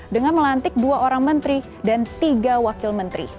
dengan melantik dua orang menteri dan tiga wakil menteri